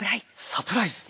サプライズ！